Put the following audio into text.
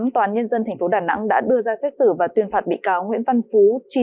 toàn nhân dân thành phố đà nẵng đã đưa ra xét xử và tuyên phạt bị cáo nguyễn văn phú